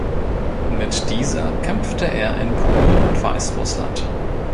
Mit dieser kämpfte er in Polen und Weißrussland.